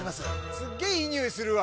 すっげえいい匂いするわ